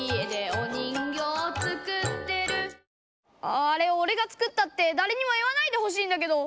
あああれおれが作ったってだれにも言わないでほしいんだけど。